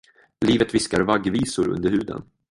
Livet viskar vaggvisor under huden.